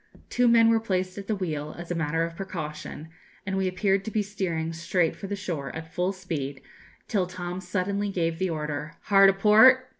Two men were placed at the wheel, as a matter of precaution, and we appeared to be steering straight for the shore, at full speed, till Tom suddenly gave the order 'Hard a port!'